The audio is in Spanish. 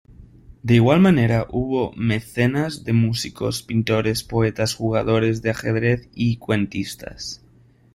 De igual manera, hubo mecenas de músicos, pintores, poetas, jugadores de ajedrez, y cuentistas.